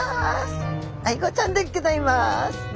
アイゴちゃんでギョざいます。